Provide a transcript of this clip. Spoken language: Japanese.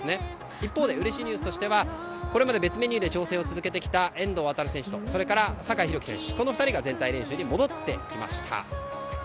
一方でうれしいニュースとしてはこれまで別メニューで調整を続けてきた遠藤航選手と酒井宏樹選手の２人が全体練習に戻ってきました。